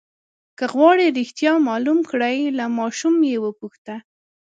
که غواړئ رښتیا معلوم کړئ له ماشوم یې وپوښته.